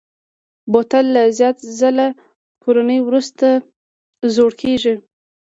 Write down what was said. بوتل له زیات ځله کارونې وروسته زوړ کېږي.